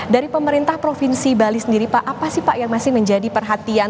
dari pemerintah provinsi bali sendiri pak apa sih pak yang masih menjadi perhatian